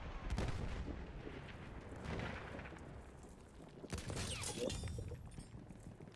Con posterioridad se le añadieron fuerzas milicianas procedentes del sector de Toledo.